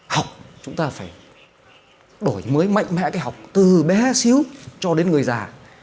học chúng ta phải đổi mới mạnh mẽ cái học từ bé xíu cho đến người già